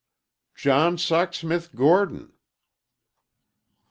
"John Socksmith Gordon."